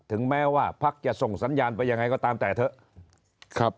ถึงแม้ว่าพักจะส่งสัญญาณไปยังไงก็ตามแต่เถอะ